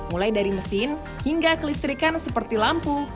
mulai dari mesin hingga kelistrikan seperti lampu